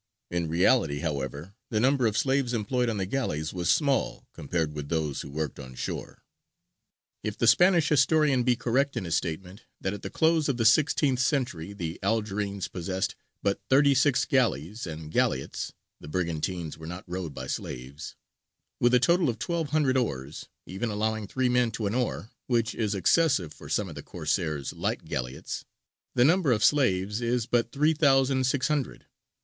In reality, however, the number of slaves employed on the galleys was small compared with those who worked on shore. If the Spanish historian be correct in his statement that at the close of the sixteenth century the Algerines possessed but thirty six galleys and galleots, (the brigantines were not rowed by slaves,) with a total of twelve hundred oars, even allowing three men to an oar, which is excessive for some of the Corsairs' light galleots, the number of slaves is but three thousand six hundred.